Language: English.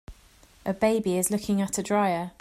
A baby is looking at a dryer.